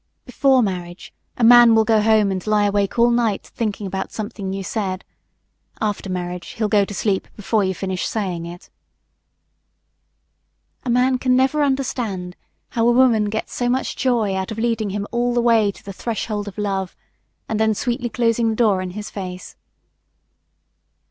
Before marriage, a man will go home and lie awake all night thinking about something you said; after marriage, he'll go to sleep before you finish saying it. A man can never understand how a woman gets so much joy out of leading him all the way to the threshold of love and then sweetly closing the door in his face.